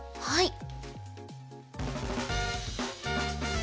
はい。